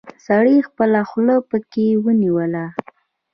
سړي خپله خوله پکې ونيوله.